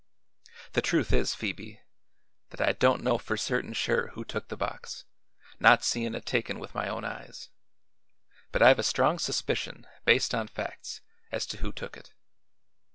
The truth is, Phoebe, that I don't know for certain sure who took the box, not seein' it taken with my own eyes; but I've a strong suspicion, based on facts, as to who took it.